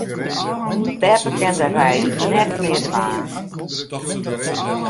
Beppe kin de reis net mear dwaan.